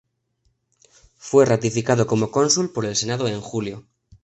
Fue ratificado como Cónsul por el Senado en julio.